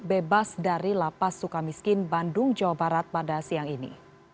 bebas dari lapas suka miskin bandung jawa barat pada siang ini